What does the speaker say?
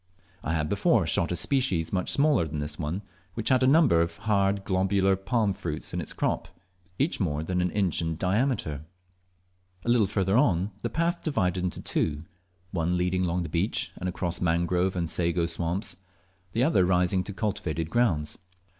I had before shot a species much smaller than this one, which had a number of hard globular palm fruits in its crop, each more than an inch in diameter. A little further the path divided into two, one leading along the beach, and across mangrove and sago swamps the other rising to cultivated grounds.